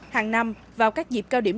hàng năm vào các dịp cao điểm